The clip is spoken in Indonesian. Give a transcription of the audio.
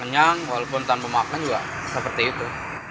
kenyang walaupun tanpa makan juga seperti itu